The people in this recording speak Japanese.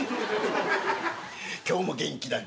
今日も元気だ。